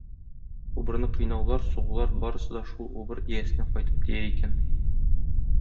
Убырны кыйнаулар, сугулар барысы да шул убыр иясенә кайтып тия икән.